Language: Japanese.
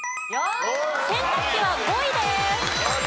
洗濯機は５位です。